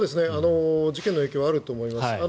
事件の影響はあると思います。